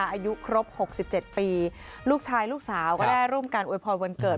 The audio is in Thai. อายุครบหกสิบเจ็ดปีลูกชายลูกสาวก็ได้ร่วมกันอวยพรวนเกิด